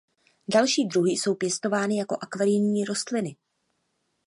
Další druhy jsou pěstovány jako akvarijní rostliny.